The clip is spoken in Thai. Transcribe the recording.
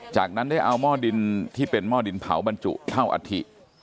จากนั้นได้เอาหม้อดินที่เป็นหม้อดินเผาบรรจุเท่าอัฐิ